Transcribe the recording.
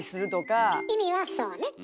意味はそうね。